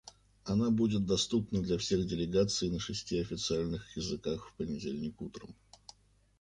Она будет доступна для всех делегаций на шести официальных языках в понедельник утром.